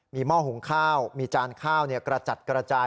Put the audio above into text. มีเมาะหุงข้าวมีจานข้าวเนี่ยกระจัดกระจาย